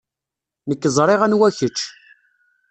Nekk ẓriɣ anwa kečč.